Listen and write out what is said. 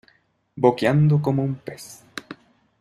boqueando como un pez.